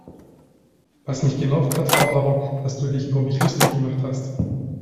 Was mich genervt hat war aber, dass du dich über mich lustig gemacht hast.